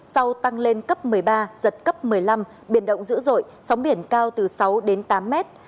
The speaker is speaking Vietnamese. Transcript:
sau tăng lên cấp một mươi ba giật cấp một mươi năm biển động dữ dội sóng biển cao từ sáu đến tám mét